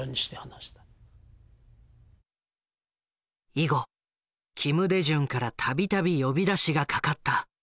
以後金大中から度々呼び出しがかかった。